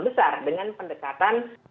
besar dengan pendekatan